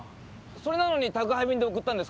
それなのに宅配便で送ったんですか？